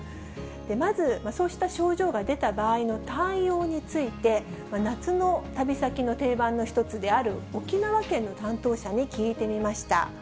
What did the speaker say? まず、そうした症状が出た場合の対応について、夏の旅先の定番の一つである、沖縄県の担当者に聞いてみました。